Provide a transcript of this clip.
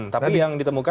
tapi yang ditemukan